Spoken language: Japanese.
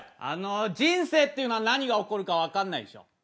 あの人生っていうのは何が起こるかわかんないでしょ。